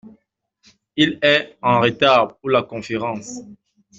Il est en retard pour la conférence.